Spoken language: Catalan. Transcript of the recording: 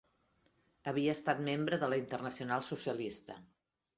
Havia estat membre de la Internacional Socialista.